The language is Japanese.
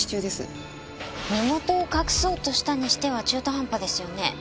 身元を隠そうとしたにしては中途半端ですよね。